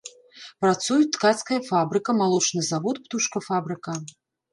Працуюць ткацкая фабрыка, малочны завод, птушкафабрыка.